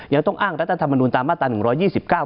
ยังต้องอ้างรัฐธรรมดุลตามมาตรา๑๒๙